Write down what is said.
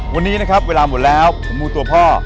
วันนี้นะครับเวลาหมดแล้วผมมูตัวพ่อ